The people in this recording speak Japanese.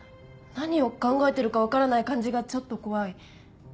何を考えてるか分からない感じがちょっと怖い。